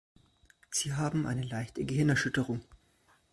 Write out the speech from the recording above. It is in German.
Sie haben eine leichte Gehirnerschütterung.